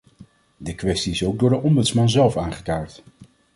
De kwestie is ook door de ombudsman zelf aangekaart.